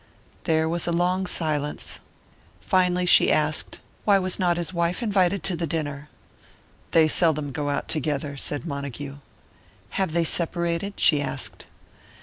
There was a long silence. Finally she asked, "Why was not his wife invited to the dinner?" "They seldom go out together," said Montague. "Have they separated?" she asked.